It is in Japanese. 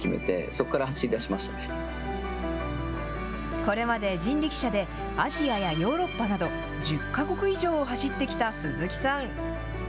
これまで人力車でアジアやヨーロッパなど１０か国以上を走ってきた鈴木さん。